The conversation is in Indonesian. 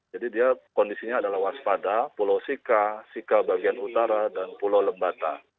jadi dia kondisinya adalah waspada pulau sika sika bagian utara dan pulau lembata